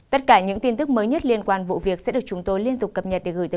tất cả những tin tức mới nhất liên quan vụ việc sẽ được chúng tôi liên tục cập nhật để gửi tới